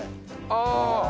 ああ。